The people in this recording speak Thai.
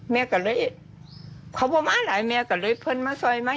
แม่ก็เลยขอบคุณมากแม่ก็เลยเพื่อนมาซอยมา